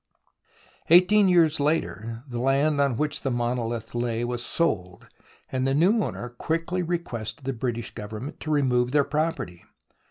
Eighteen years later, the land on which the mono lith lay was sold, and the new owner quickly re quested the British Government to remove their property.